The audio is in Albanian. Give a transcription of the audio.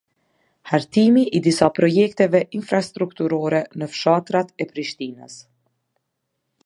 Hartimi i disa projekteve infrastrukturore ne fshatrat e Prishtines